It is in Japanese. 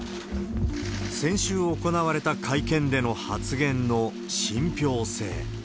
先週行われた会見での発言の信ぴょう性。